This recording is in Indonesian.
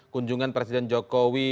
kunjungan presiden jokowi